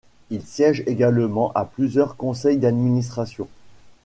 Il siège également à plusieurs conseils d'administration.